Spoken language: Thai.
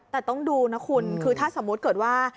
แต่ต้องดูนะคุณคือถ้าสมมุติเกิดว่า